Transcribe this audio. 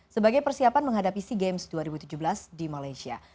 sebagai persiapan menghadapi sea games dua ribu tujuh belas di malaysia